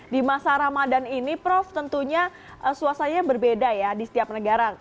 di masa ramadhan ini prof tentunya suasananya berbeda ya di setiap negara